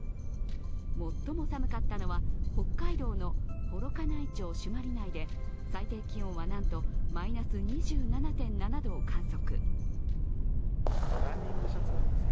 最も寒かったのは北海道の幌加内町朱鞠内で最低気温は、なんとマイナス２７．７度を観測。